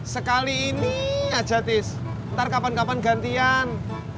sekali ini aja tis ntar kapan kapan gantian